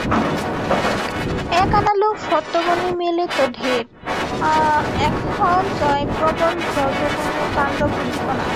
এক আনা লোক সত্ত্বগুণী মেলে তো ঢের! এখন চাই প্রবল রজোগুণের তাণ্ডব উদ্দীপনা।